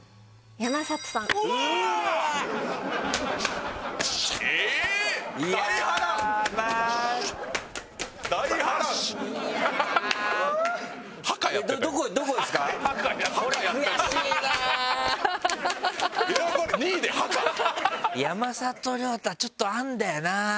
山里亮太ちょっとあんだよな。